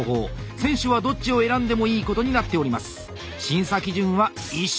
選手はどっちを選んでもいいことになっております。